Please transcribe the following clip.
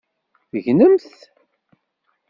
Tegnemt?